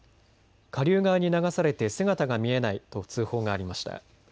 下流側に流されて姿が見えないと通報がありました。